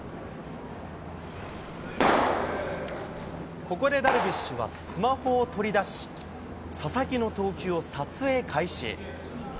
ここでダルビッシュはスマホを取り出し、佐々木の投球を撮影開始。